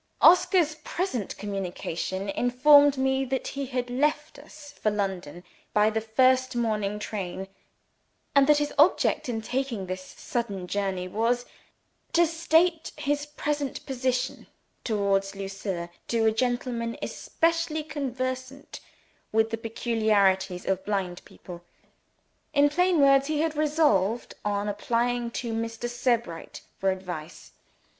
Oscar's present communication informed me that he had left us for London by the first morning train, and that his object in taking this sudden journey was to state his present position towards Lucilla to a gentleman especially conversant with the peculiarities of blind people. In plain words, he had resolved on applying to Mr. Sebright for advice.